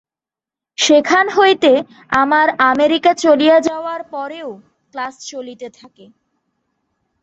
সেখান হইতে আমার আমেরিকা চলিয়া যাওয়ার পরেও ক্লাস চলিতে থাকে।